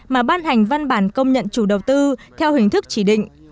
mà ban hành văn bản công nhận chủ đầu tư theo hình thức chỉ định